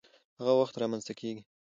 هغه وخت رامنځته کيږي،